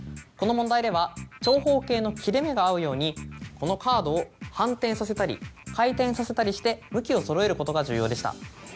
この問題では長方形の切れ目が合うようにこのカードを反転させたり回転させたりして向きをそろえることが重要でした。